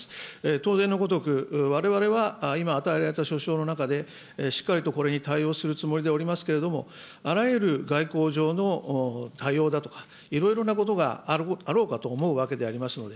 当然のごとく、われわれは今、与えられたしょしょうの中で、しっかりとこれに対応するつもりでありますけれども、あらゆる外交上の対応だとか、いろいろなことがあろうかと思うわけでありますので、